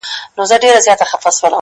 o زه وايم دا،